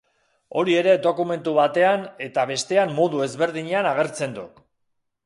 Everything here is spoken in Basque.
Hori ere dokumentu batean eta bestean modu ezberdinean agertzen duk.